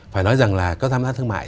phải nói rằng là các tham gia thương mại